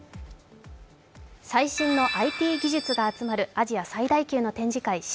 最新のＩＴ技術が集まるアジア最大級の展示会・ＣＥＡＴＥＣ。